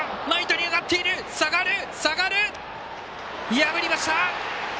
破りました！